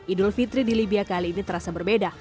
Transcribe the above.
idul fitri di libya kali ini terasa berbeda